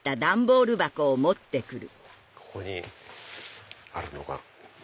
ここにあるのが。